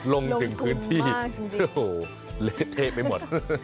ลงถึงพื้นที่โอ้โหเละเทะไปหมด